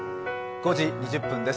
５時２０分です。